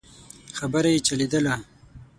خبره يې چلېدله.